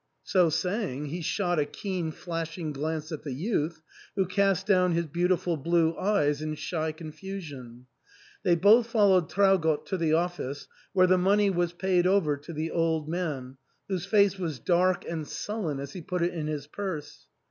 So saying, he shot a keen flashing glance at the youth, who cast down his beautiful blue eyes in shy confusion. They both followed Traugott to the office, where the money was paid over to the old man, whose face was dark and sullen as he put it in his purse.